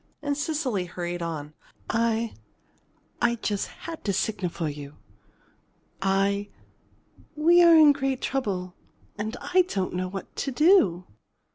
And Cecily hurried on: "I I just had to signal for you. I we are in great trouble and I don't know what to do."